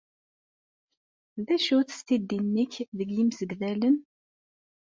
D acu-tt tiddi-nnek deg yimsegdalen?